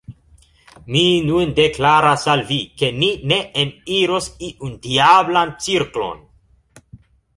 Mi nun deklaras al vi, ke ni ne eniros iun diablan cirklon.